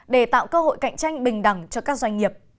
để tạo cơ hội cạnh tranh bình đẳng cho các doanh nghiệp